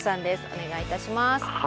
お願いいたします。